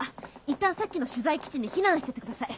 一旦さっきの取材基地に避難しててください。